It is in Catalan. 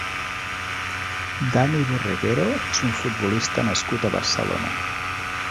Dani Borreguero és un futbolista nascut a Barcelona.